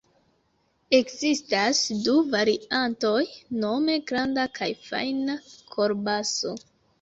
Ekzistas du variantoj nome granda kaj fajna kolbaso.